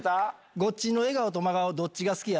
「ごっちんの笑顔と真顔どっちが好きや？